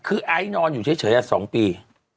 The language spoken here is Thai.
คือไอ้นอนอยู่เฉยอ่ะ๒ปี